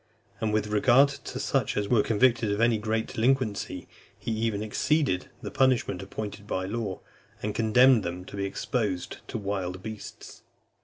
And with regard to such as were convicted of any great delinquency, he even exceeded the punishment appointed by law, and condemned them to be exposed to wild beasts.